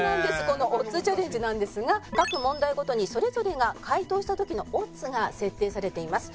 このオッズチャレンジなんですが各問題ごとにそれぞれが解答した時のオッズが設定されています。